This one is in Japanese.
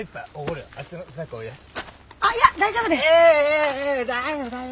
あっいや大丈夫です。